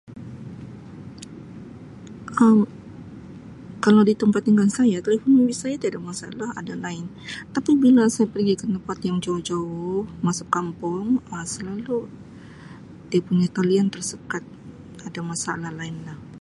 Um Kalau di tempat tinggal saya telefon bimbit saya tiada masalah ada line tapi bila saya pergi ke tempat yang jauh-jauh masuk kampung Um selalu dia punya talian tersekat, ada masalah line lah.